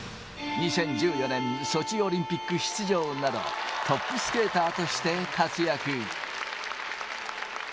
２０１４年ソチオリンピック出場など、トップスケーターとして活躍。